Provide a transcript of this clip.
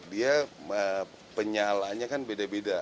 dia penyalaannya kan beda beda